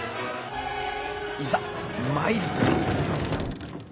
いざ参る！